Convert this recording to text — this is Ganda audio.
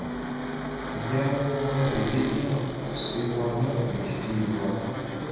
Ebyama by'abalwadde birina okussibwamu ekitiibwa.